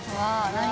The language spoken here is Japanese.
何？